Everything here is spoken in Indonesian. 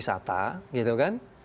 boleh di kampung wisata